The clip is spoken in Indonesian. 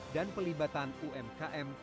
dan pelibatan umkm